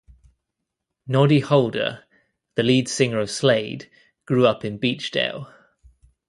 Noddy Holder, the lead singer of Slade, grew up in Beechdale.